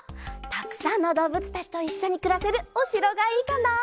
たくさんのどうぶつたちといっしょにくらせるおしろがいいかな。